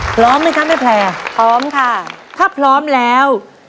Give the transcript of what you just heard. พร้อมไหมคะแม่แพร่พร้อมค่ะถ้าพร้อมแล้ว